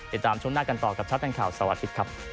ติดตามช่วงหน้ากันต่อกับชัดแห่งข่าวสวัสดีครับ